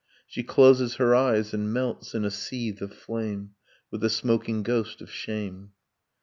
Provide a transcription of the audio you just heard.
She closes her eyes, and melts in a seethe of flame ... With a smoking ghost of shame